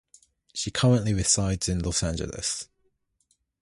She currently resides in Los Angeles.